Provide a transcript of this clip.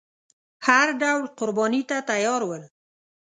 هر ډول قربانۍ ته تیار ول.